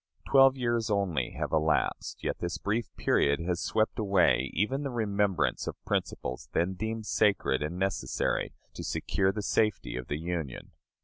Twelve years only have elapsed, yet this brief period has swept away even the remembrance of principles then deemed sacred and necessary to secure the safety of the Union.